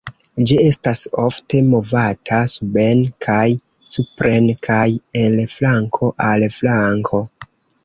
Ĝi estas ofte movata suben kaj supren kaj el flanko al flanko.